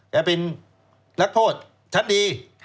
เป็นนักโทษชั้นดี